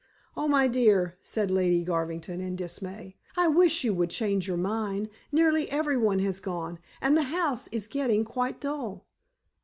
"Oh, my dear," said Lady Garvington, in dismay. "I wish you would change your mind. Nearly everyone has gone, and the house is getting quite dull."